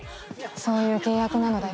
そういう契約なのだよ。